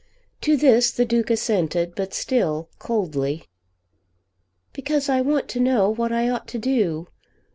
To this the Duke assented, but still coldly. "Because I want to know what I ought to do.